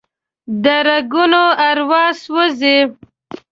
د ریګونو اروا سوزي